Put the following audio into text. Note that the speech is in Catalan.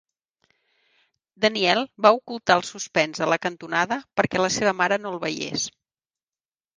Daniel va ocultar el suspens a la cantonada perquè la seva mare no el veiés.